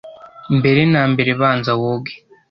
mbere na mbere banza woge